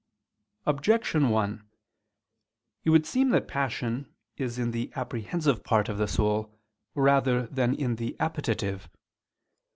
Objection 1: It would seem that passion is in the apprehensive part of the soul rather than in the appetitive.